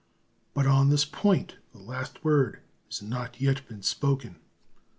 But on this point the last word has not yet been spoken.